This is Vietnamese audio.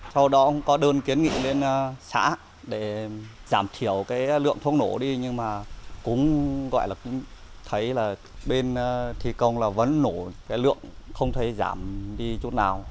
sau đó cũng có đơn kiến nghị lên xã để giảm thiểu cái lượng thuốc nổ đi nhưng mà cũng gọi là cũng thấy là bên thi công là vẫn nổ cái lượng không thấy giảm đi chút nào